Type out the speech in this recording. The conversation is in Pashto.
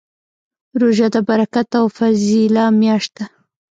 روژه د برکت او فضیله میاشت ده